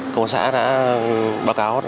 công an xã đã báo cáo